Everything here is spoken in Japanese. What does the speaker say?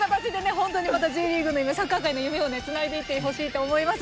本当にまたＪリーグの夢サッカー界の夢をつないでいってほしいと思います。